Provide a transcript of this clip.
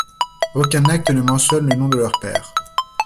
Aucun acte ne mentionne le nom de leur père.